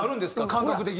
感覚的に。